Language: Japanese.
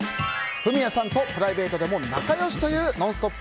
フミヤさんとプライベートでも仲良しという「ノンストップ！」